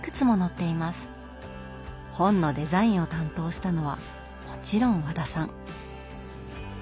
本のデザインを担当したのはもちろん和田さん。